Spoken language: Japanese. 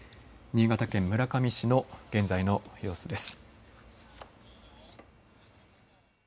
新潟県村上市の現在の様子です。